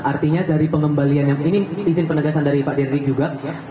artinya dari pengembalian yang ini izin penegasan dari pak deddy juga